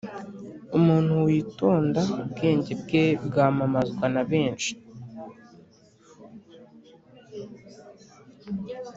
umuntu witonda ubwenge bwe bwamamazwa na benshi